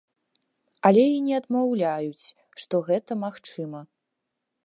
Але і не адмаўляюць, што гэта магчыма.